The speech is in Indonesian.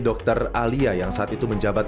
dr alia yang saat itu menjabat